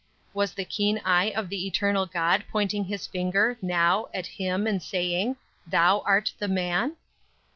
Was the keen eye of the Eternal God pointing his finger, now, at him, and saying; "Thou art the man?"